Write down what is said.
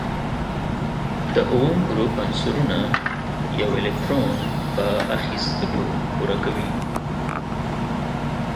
د اووم ګروپ عنصرونه یو الکترون په اخیستلو پوره کوي.